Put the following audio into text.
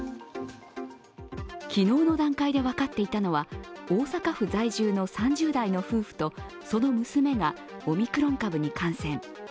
昨日の段階で分かっていたのは大阪府在住の３０代の夫婦と、その娘がオミクロン株に感染。